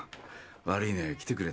悪いね来てくれたんだ。